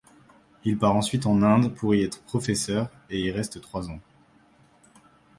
Il part ensuite en Inde pour y être professeur, et y reste trois ans.